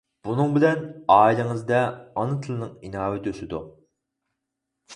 بۇنىڭ بىلەن ئائىلىڭىزدە ئانا تىلنىڭ ئىناۋىتى ئۆسىدۇ.